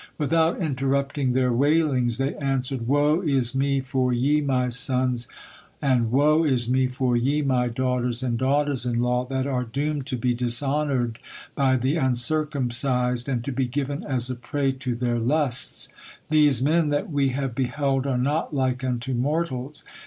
Without interrupting their wailings, they answered" "Woe is me for ye, my sons, and woe is me for ye, my daughters and daughters in law, that are doomed to be dishonored by the uncircumcised and to be given as a prey to their lusts. These men that we have beheld are not like unto mortals.